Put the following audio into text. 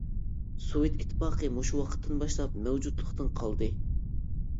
سوۋېت ئىتتىپاقى مۇشۇ ۋاقىتتىن باشلاپ مەۋجۇتلۇقتىن قالدى.